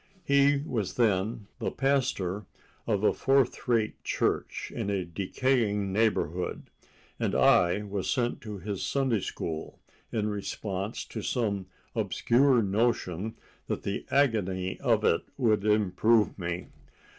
He was then the pastor of a fourth rate church in a decaying neighborhood and I was sent to his Sunday school in response to some obscure notion that the agony of it would improve me.